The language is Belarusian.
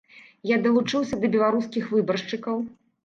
Я далучыўся да беларускіх выбаршчыкаў.